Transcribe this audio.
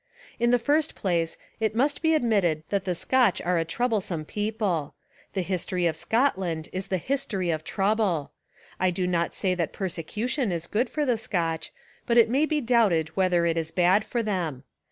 In the first place it must be admitted that the Scotch are a troublesome people. The history of Scot land is the history of trouble. I do not say that persecution Is good for the Scotch, but it may be doubted whether it is bad for them.